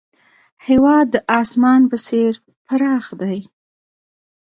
هېواد د اسمان په څېر پراخ دی.